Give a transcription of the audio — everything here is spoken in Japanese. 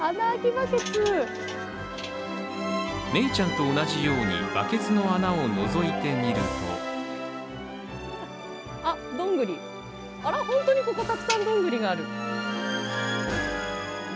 メイちゃんと同じようにバケツの穴をのぞいてみると本当にここ、たくさんどんぐりがある。